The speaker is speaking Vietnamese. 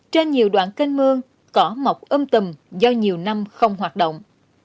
trên nhiều đoạn kênh mương cỏ mọc âm tầm do nhiều năm không hoạt động